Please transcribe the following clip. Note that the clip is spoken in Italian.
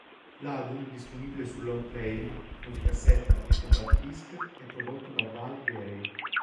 L'album, disponibile su long playing, musicassetta e compact disc, è prodotto da Val Garay.